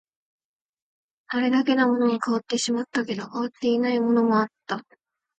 あれだけのものが変わってしまったけど、変わっていないものもあった